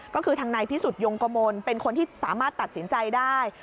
ก็คือทางนายพิสุทธิยงกมลเป็นคนที่สามารถตัดสินใจได้